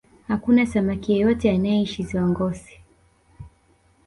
hakuna samaki yeyote anayeishi ziwa ngosi